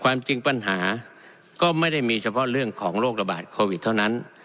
ความจริงปัญหาก็ไม่ได้มีเฉพาะเรื่องของโรคระบาดโควิดเท่านั้น